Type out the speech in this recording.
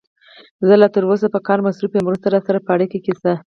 زه لا تر اوسه په کار مصروف یم، وروسته راسره په اړیکه کې شه.